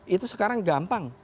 itu sekarang gampang